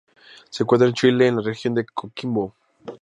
Se encuentra en Chile en la región de Coquimbo.